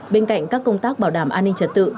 bên cạnh các công tác bảo đảm an ninh trật tự